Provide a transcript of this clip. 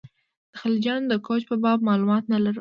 د خلجیانو د کوچ په باب معلومات نه لرو.